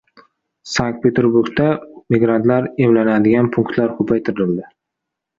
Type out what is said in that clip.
Sankt-Peterburgda migrantlar emlanadigan punktlar ko‘paytirildi